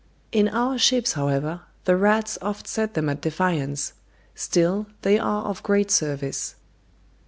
In our ships, however, the rats oft set them at defiance; still they are of great service.